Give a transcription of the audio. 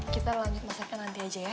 kita lanjut masakan nanti aja ya